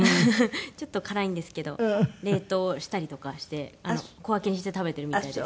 ちょっと辛いんですけど冷凍したりとかして小分けにして食べてるみたいです。